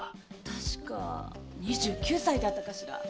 確か二十九歳だったかしら。